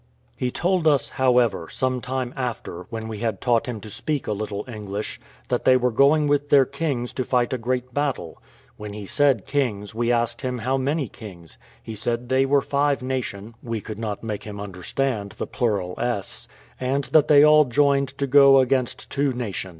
He told us, however, some time after, when we had taught him to speak a little English, that they were going with their kings to fight a great battle. When he said kings, we asked him how many kings? He said they were five nation (we could not make him understand the plural 's), and that they all joined to go against two nation.